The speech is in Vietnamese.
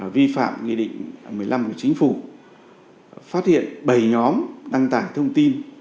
vi phạm nghị định một mươi năm của chính phủ phát hiện bảy nhóm đăng tải thông tin